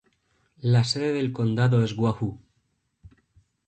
La sede del condado es Wahoo.